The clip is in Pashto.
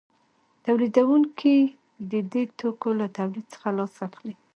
تولیدونکي د دې توکو له تولید څخه لاس اخلي